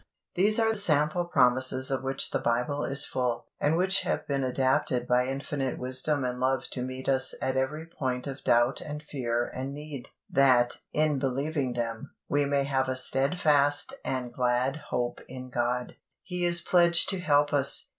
These are sample promises of which the Bible is full, and which have been adapted by infinite wisdom and love to meet us at every point of doubt and fear and need, that, in believing them, we may have a steadfast and glad hope in God. He is pledged to help us.